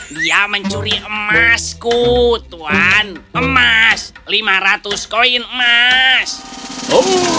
dia mencuri emasku tuan emas lima ratus koin emas